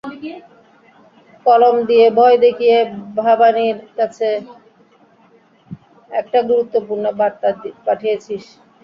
কলম দিয়ে ভয় দেখিয়ে ভবানীর কাছে একটা গুরুত্বপূর্ণ বার্তা পাঠিয়েছিস।